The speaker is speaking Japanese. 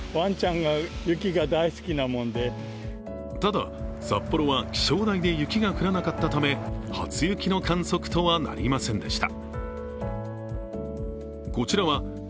ただ、札幌は気象台で雪が降らなかったため、初雪の観測とはなりませんでした。